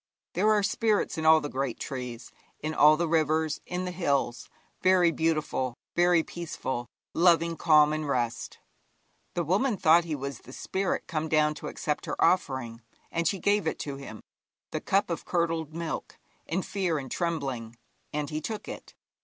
There are spirits in all the great trees, in all the rivers, in all the hills very beautiful, very peaceful, loving calm and rest. The woman thought he was the spirit come down to accept her offering, and she gave it to him the cup of curdled milk in fear and trembling, and he took it.